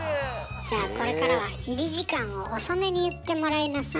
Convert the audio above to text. じゃあこれからは入り時間を遅めに言ってもらいなさい。